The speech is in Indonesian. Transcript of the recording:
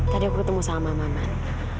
tadi aku ketemu sama mama man